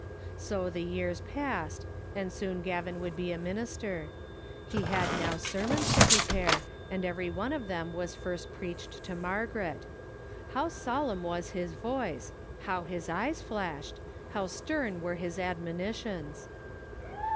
So the years passed, and soon Gavin would be a min ister. He had now sermons to prepare, and every one of them was first preached to Margaret. How solemn was his voice, how his eyes flashed, how stem were his admonitions.